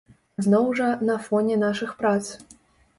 Зноў жа, на фоне нашых прац.